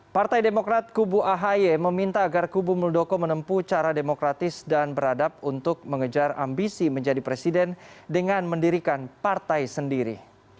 partai demokrat kubu ahy meminta agar kubu muldoko menempuh cara demokratis dan beradab untuk mengejar ambisi menjadi presiden dengan mendirikan partai sendiri